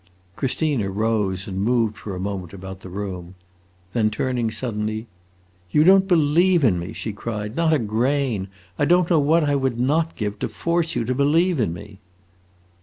Christina rose and moved for a moment about the room. Then turning suddenly, "You don't believe in me!" she cried; "not a grain! I don't know what I would not give to force you to believe in me!"